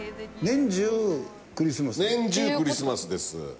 年中クリスマスです。